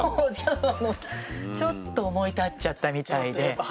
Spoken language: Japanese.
ちょっと思い立っちゃったみたいで。